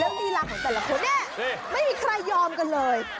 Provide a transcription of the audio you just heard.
ลีลาของแต่ละคนเนี่ยไม่มีใครยอมกันเลย